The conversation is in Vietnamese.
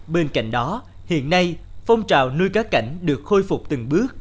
bên cạnh đó hiện nay phong trào nuôi cá cảnh được khôi phục từng bước